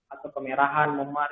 atau pemerahan nomor